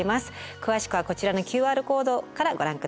詳しくはこちらのＱＲコードからご覧ください。